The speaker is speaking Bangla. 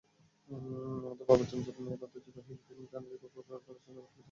বাংলাদেশের পার্বত্য-অঞ্চলের মেয়েরা ঐতিহ্যবাহী পিনন খাদি কাপড় পরে অনুষ্ঠান আলোকিত করেন।